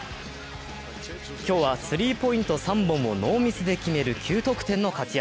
今日はスリーポイント３本をノーミスで決める９得点の活躍。